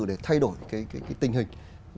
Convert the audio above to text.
để thay đổi cái tình hình